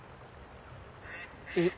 えっ？